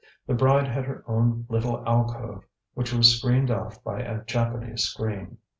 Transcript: The bride had her own little alcove, which was screened off by a Japanese screen.